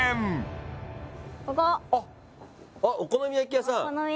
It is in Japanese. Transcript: お好み焼き屋さん